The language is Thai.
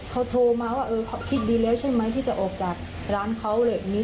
เขาโทรมาว่าเออเขาคิดดีแล้วใช่ไหมที่จะออกจากร้านเขาอะไรแบบนี้